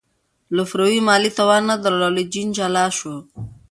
لفروی مالي توان نه درلود او له جین جلا شو.